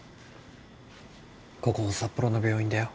ここ札幌の病院だよ。